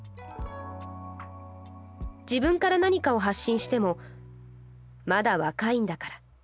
自分から何かを発信しても『まだ若いんだから』